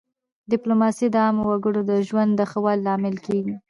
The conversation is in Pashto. ډیپلوماسي د عامو وګړو د ژوند د ښه والي لامل کېږي.